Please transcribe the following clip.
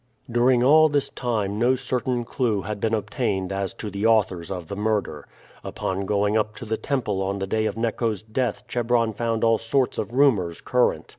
During all this time no certain clew had been obtained as to the authors of the murder. Upon going up to the temple on the day of Neco's death Chebron found all sorts of rumors current.